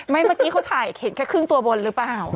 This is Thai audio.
เมื่อกี้เขาถ่ายเห็นแค่ครึ่งตัวบนหรือเปล่า